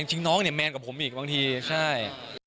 จริงน้องเนี่ยแมนกว่าผมอีกบางทีใช่